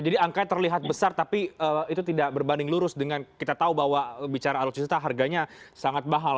jadi angka terlihat besar tapi itu tidak berbanding lurus dengan kita tahu bahwa bicara alutsista harganya sangat mahal